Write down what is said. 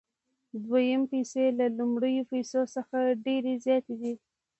دویمې پیسې له لومړیو پیسو څخه ډېرې زیاتې دي